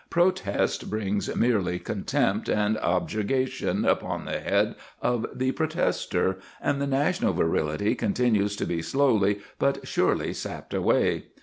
Protest brings merely contempt and objurgation upon the head of the protester, and the national virility continues to be slowly but surely sapped away.